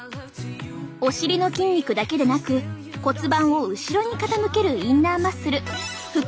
お尻の筋肉だけでなく骨盤を後ろに傾けるインナーマッスル腹